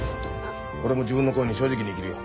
俺も自分の恋に正直に生きるよ。